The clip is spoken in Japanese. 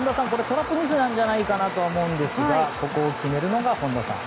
トラップミスなんじゃないかと思うんですがここを決めるのが本田さん。